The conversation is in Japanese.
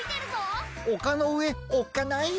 おかのうえおっかない。